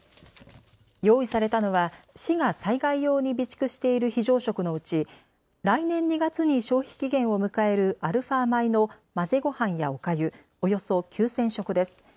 用意されたのは、市が災害用に備蓄している非常食のうち来年２月に消費期限を迎えるアルファ米の混ぜごはんやおかゆ、およそ９０００食です。